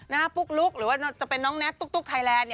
ปุ๊กลุ๊กหรือว่าจะเป็นน้องแน็ตตุ๊กไทยแลนด์